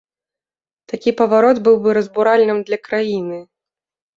Такі паварот быў бы разбуральным для краіны!